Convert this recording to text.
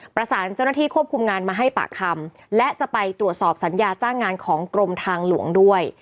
ประสานเจ้าหน้าที่ควบคุมงานมาให้ปากคำและจะไปตรวจสอบสัญญาจ้างงานของกรมทางหลวงด้วย